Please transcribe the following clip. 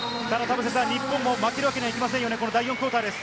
日本も負けるわけにはいけませんよね、第４クオーターです。